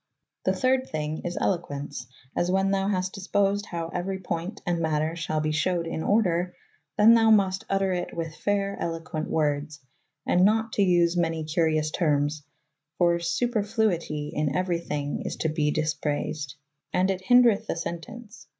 ^The third thing is eloqu^«s, as wha« thou haste disposed how euery poynt & mz.ler shalbe shewed in ordre than thou must vtter it with fayre eloquent wordes, and not to vse many curyous termes, for sup^Hluyte in euery thyng is to be dyspraysed ; And it hyndreth the sentence.